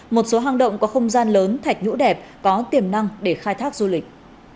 một số hang động có không gian lớn thạch nhũ đẹp có tiềm năng để khai thác du lịch